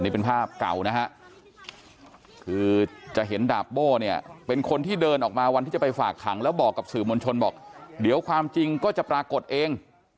นี่เป็นภาพเก่านะฮะคือจะเห็นดาบโบ้เนี่ยเป็นคนที่เดินออกมาวันที่จะไปฝากขังแล้วบอกกับสื่อมวลชนบอกเดี๋ยวความจริงก็จะปรากฏเอง